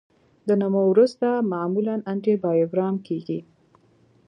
د نمو وروسته معمولا انټي بایوګرام کیږي.